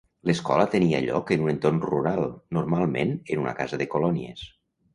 L'escola tenia lloc en un entorn rural, normalment en una casa de colònies.